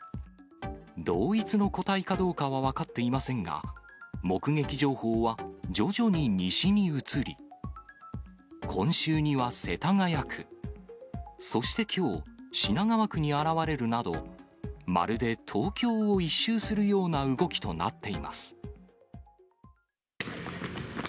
同一の個体かどうかは分かっていませんが、目撃情報は徐々に西に移り、今週には世田谷区、そしてきょう、品川区に現れるなど、まるで東京を一周するような動きとなっています。